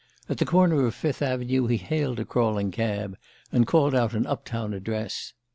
At the corner of Fifth Avenue he hailed a crawling cab, and called out an up town address.